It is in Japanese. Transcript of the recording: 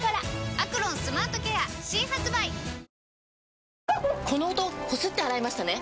「アクロンスマートケア」新発売！この音こすって洗いましたね？